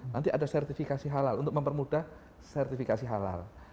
nanti ada sertifikasi halal untuk mempermudah sertifikasi halal